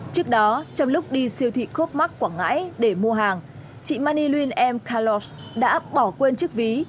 trước đó trong lúc đi siêu thị cope mark quảng ngãi để mua hàng chị manilin m kalog đã bỏ quên chiếc ví